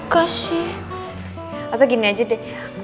kalau situ tujuan mengapa